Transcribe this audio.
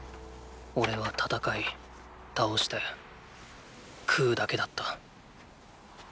おれは戦い倒して喰うだけだった。